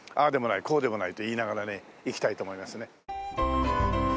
こうでもないと言いながらね行きたいと思いますね。